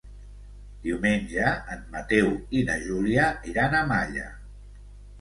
Diumenge en Mateu i na Júlia iran a Malla.